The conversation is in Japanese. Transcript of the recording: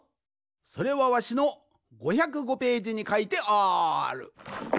それはわしの５０５ページにかいてある。